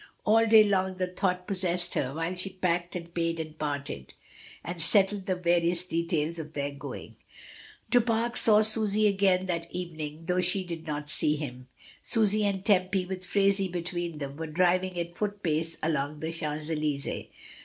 All day long the thought possessed her while she packed and paid and parted, and settled the various details of their going. Du Pare saw Susy again that evening though she did not see him. Susy and Tempy, with Phraisie between them, were driving at foot pace along the Champs Elys^es.